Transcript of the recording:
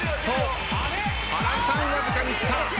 原さんわずかに下。